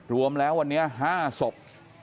รวมแล้ววันนี้๕ศพ